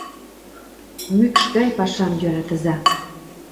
Мӱкш гай пашам йӧратыза